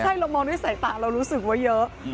ใช่เรามองด้วยสายตาเรารู้สึกว่าเยอะ